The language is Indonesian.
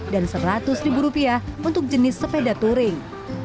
dan rp seratus untuk jenis sepeda touring